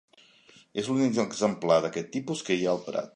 És l'únic exemplar d'aquest tipus que hi ha al Prat.